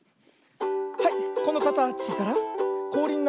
はいこのかたちからこおりになるよ。